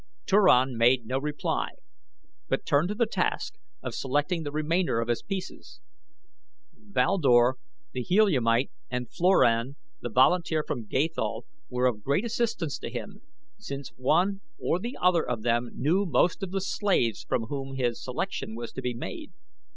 Turan made no reply but turned to the task of selecting the remainder of his pieces. Val Dor, the Heliumite, and Floran, the volunteer from Gathol, were of great assistance to him, since one or the other of them knew most of the slaves from whom his selection was to be made.